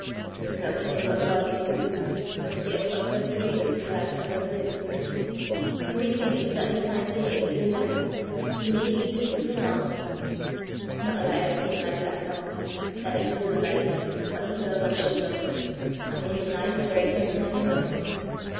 There's nae kennin' what God can do, nor yet what best o' rizzons he has for no doin' 't sooner! Whan we think he's lattin' the time gang, an' doin' naething, he may be jist doin' a' thing! No 'at I ever think like that noo; lat him do 'at he likes, what he does I'm sure o'. I'm o' his min' whether I ken his min' or no.